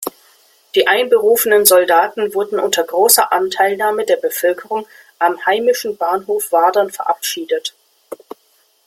Die einberufenen Soldaten wurden unter großer Anteilnahme der Bevölkerung am heimischen Bahnhof Wadern verabschiedet.